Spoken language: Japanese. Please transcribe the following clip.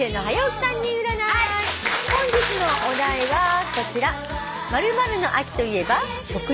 本日のお題はこちら。